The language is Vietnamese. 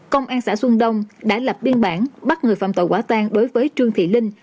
công an xã xuân đông đã lập biên bản bắt người phạm tội quả tan đối với trương thị linh